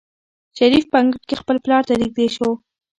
شریف په انګړ کې خپل پلار ته نږدې شو.